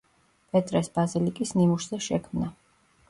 პეტრეს ბაზილიკის ნიმუშზე შექმნა.